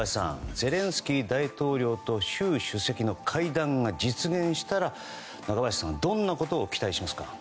ゼレンスキー大統領と習主席の会談が実現したら中林さんどんなことを期待しますか。